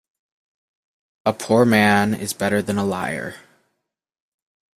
A poor man is better than a liar.